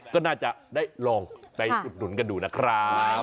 ก็น่าจะได้ลองไปอุดหนุนกันดูนะครับ